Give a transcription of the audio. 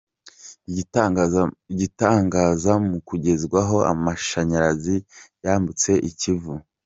Igitangaza mu kugezwaho amashanyarazi yambutse Ikivu.